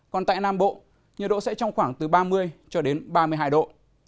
còn tại nam bộ nhiệt độ sẽ trong khoảng từ ba mươi cho đến ba mươi hai độ